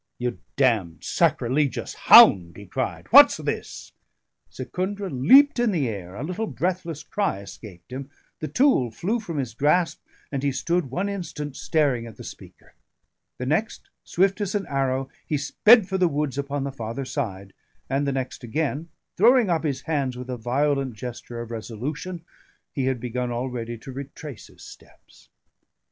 "You damned sacrilegious hound!" he cried. "What's this?" Secundra leaped in the air, a little breathless cry escaped him, the tool flew from his grasp, and he stood one instant staring at the speaker. The next, swift as an arrow, he sped for the woods upon the farther side; and the next again, throwing up his hands with a violent gesture of resolution, he had begun already to retrace his steps.